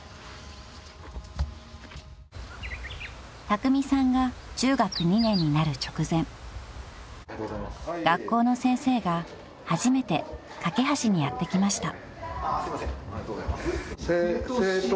［たくみさんが中学２年になる直前学校の先生が初めてかけはしにやって来ました］